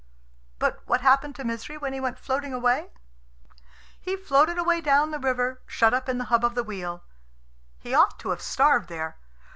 But what happened to Misery when he went floating away? He floated away down the river, shut up in the hub of the wheel. He ought to have starved there.